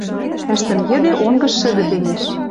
Ӓштӹм йӹде онгыш шӹдӹ темеш: